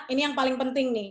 ini yang paling penting nih